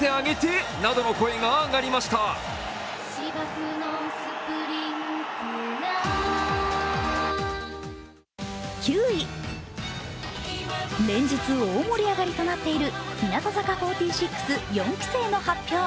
更にはＳＮＳでは連日大盛り上がりとなっている日向坂４６四期生の発表。